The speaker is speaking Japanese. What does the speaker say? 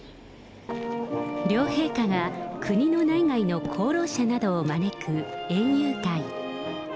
両陛下が国の内外の功労者などを招く園遊会。